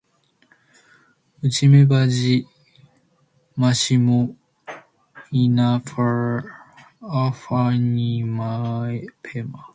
Uchimbaji mashimo inafaa ufanywe mapema